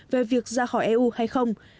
về việc ra khỏi eu hay không